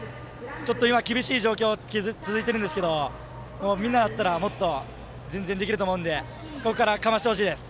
ちょっと今、厳しい状況が続いていますがみんなだったらもっと全然できると思うのでここからかましてほしいです。